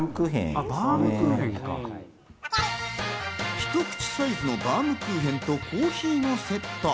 ひと口サイズのバームクーヘンとコーヒーのセット。